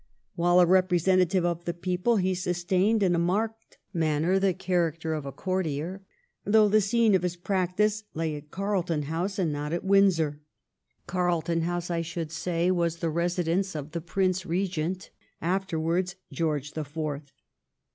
While a representative of the people he sustained in a marked manner the character of a courtier, though the scene of his practice lay at Carlton House and not at Windsor." Carlton House, I should say, was the residence of the Prince Re gent, afterwards George the Fourth.